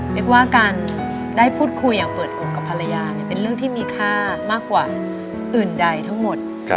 เรียกว่าการได้พูดคุยอย่างเปิดอกกับภรรยาเป็นเรื่องที่มีค่ามากกว่าอื่นใดทั้งหมด